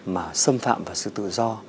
mà xâm phạm vào sự tự do